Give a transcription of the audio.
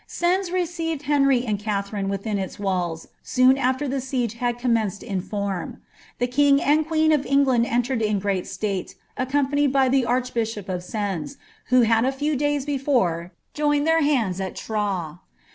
Sens received Henry and Katherine within its walls, soon after the had commenced in form. The king and queen of England entered in great state, accompanied by the archbishop of Sens, who had a few dftyv before joined their hands at Troyes.